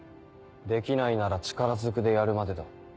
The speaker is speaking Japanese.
できないなら力ずくでやるまでだ。